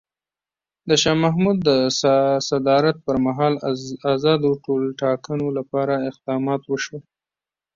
د شاه محمود د صدارت پر مهال ازادو ټولټاکنو لپاره اقدامات وشول.